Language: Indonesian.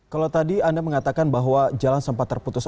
kalau tadi anda mengatakan bahwa jalan sempat terputus